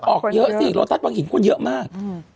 ออกเยอะสิโลตัสวังหินคนเยอะมาก